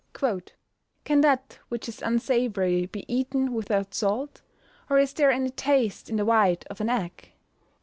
[Verse: "Can that which is unsavoury be eaten without salt? or is there any taste in the white of an egg?"